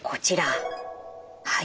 はい。